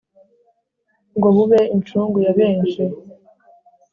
ngo bube incungu ya benshi